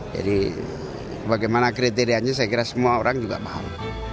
jadi bagaimana kriterianya saya kira semua orang juga paham